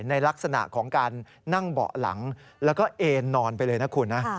ในลักษณะของการนั่งเบาะหลังแล้วก็เอ็นนอนไปเลยนะคุณนะ